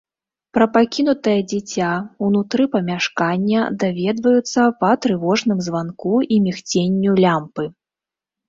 Пра пакінутае дзіця ўнутры памяшкання даведваюцца па трывожным званку і мігценню лямпы.